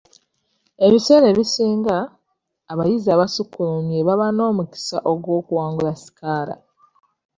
Ebiseera ebisinga, abayizi abasukkulumye baba n'omukisa ogw'okuwangula sikaala.